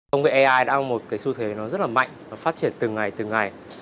công việc ai đang một cái xu thế nó rất là mạnh nó phát triển từng ngày từng ngày